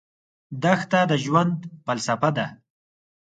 دښته د ژوند فلسفه ده.